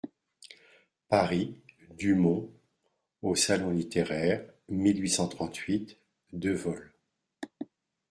Paris, Dumont, Au Salon littéraire, mille huit cent trente-huit, deux vol.